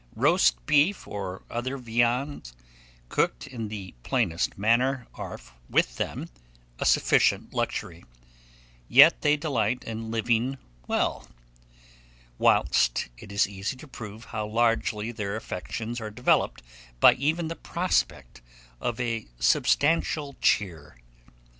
Roast beef, or other viands cooked in the plainest manner, are, with them, a sufficient luxury; yet they delight in living well, whilst it is easy to prove how largely their affections are developed by even the prospect of a substantial cheer.